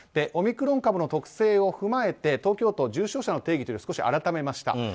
オミクロン株の特性を踏まえて東京都、重症者の定義を少し改めました。